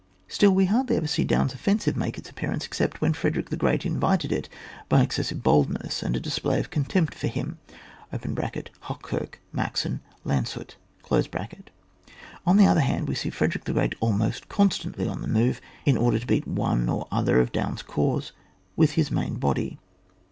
Still we hardly ever see 204 ON WAR. [book n. Daun's offensiTe make its appearance except when Frederick the Gbreat inrited it bj excessive boldness and a display of contempt for him (Hochkirch, Maxen, Landshut). On the other band, we see Frederick the Great almost constantly on the move in order to beat one or other of Daim's corps with his main body.